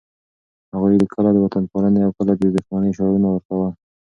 هغوی کله د وطنپالنې او کله د دښمنۍ شعارونه ورکوي.